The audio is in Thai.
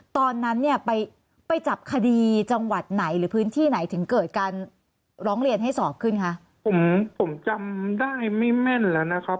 ตอนนั้นเนี่ยไปไปจับคดีจังหวัดไหนหรือพื้นที่ไหนถึงเกิดการร้องเรียนให้สอบขึ้นคะผมผมจำได้ไม่แม่นแล้วนะครับ